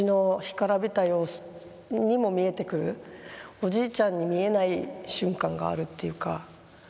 おじいちゃんに見えない瞬間があるっていうか。